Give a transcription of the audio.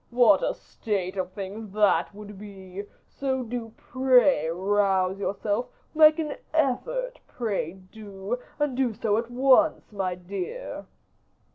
What a state of things that would be! So do pray rouse yourself; make an effort, pray do, and do so at once, my dear."